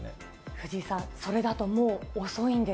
藤井さん、それだともう遅い遅い？